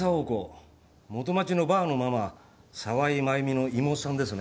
元町のバーのママ沢井真由美の妹さんですね。